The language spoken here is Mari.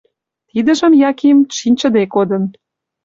Тидыжым Яким шинчыде кодын.